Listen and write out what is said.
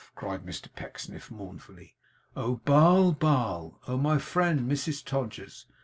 cried Mr Pecksniff mournfully. 'Oh, Baal, Baal! oh my friend, Mrs Todgers!